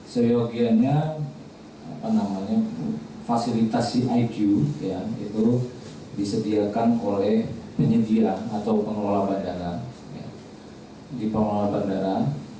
seyogiannya fasilitasi iq itu disediakan oleh penyedia atau pengelola bandara